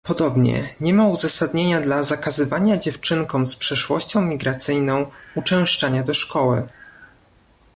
Podobnie, nie ma uzasadnienia dla zakazywania dziewczynkom z przeszłością migracyjną uczęszczania do szkoły